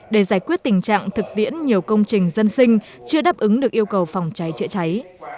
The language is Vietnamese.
để giải quyết tình trạng thực tiễn nhiều công trình dân sinh chưa đáp ứng được yêu cầu phòng cháy chữa cháy